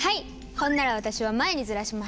ほんなら私は前にずらします！